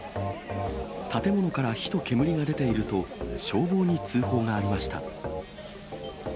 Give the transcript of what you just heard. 建物から火と煙が出ていると、消防に通報がありました。